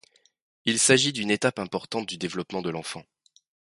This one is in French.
Il s'agit d'une étape importante du développement de l'enfant.